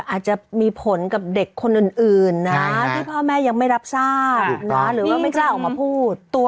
อาจจะมีผลกับเด็กคนอื่นนะที่พ่อแม่ยังไม่รับทราบหรือว่าไม่กล้าออกมาพูด